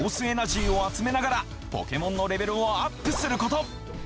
エナジーを集めながらポケモンのレベルをアップすること。